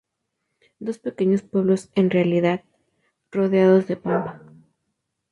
Dos pequeños pueblos en realidad, rodeados de pampa.